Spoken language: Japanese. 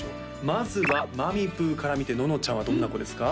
まずはまみぷーから見てののちゃんはどんな子ですか？